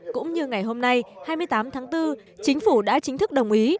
cũng như ngày hôm nay hai mươi tám tháng bốn chính phủ đã chính thức đồng ý